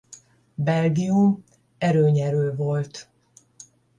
Belgium erőnyerő volt.